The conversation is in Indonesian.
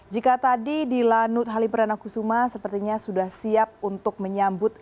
jika tadi di lanut halim perdana kusuma sepertinya sudah siap untuk menyambut